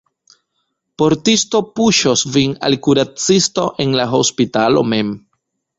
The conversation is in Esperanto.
Portisto puŝos vin al kuracisto en la hospitalo mem!